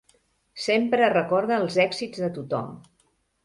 Sempre recorda els èxits de tothom.